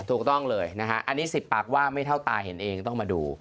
ถูกต้องเลยนะฮะอันนี้๑๐ปากว่าไม่เท่าตาเห็นเองต้องมาดู